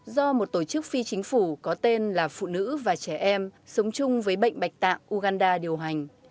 do một tổ chức phi chính phủ có tên là phụ nữ và trẻ em sống chung với bệnh bạch tạng uganda điều hành